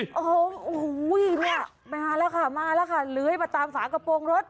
โอ้โหเนี่ยมาแล้วค่ะมาแล้วค่ะเลื้อยมาตามฝากระโปรงรถ